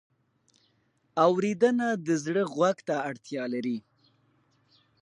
اورېدنه د زړه غوږ ته اړتیا لري.